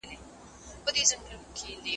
د کاري فشار د مخنیوي لارې شته.